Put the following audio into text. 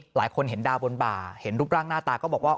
หลายคนเห็นดาวบนบ่าเห็นรูปร่างหน้าตาก็บอกว่า